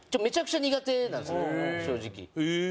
めちゃくちゃ苦手なんですよ正直。